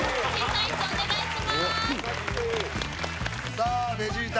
さあベジータ